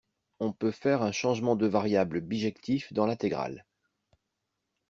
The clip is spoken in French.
on peut faire un changement de variables bijectif dans l'intégrale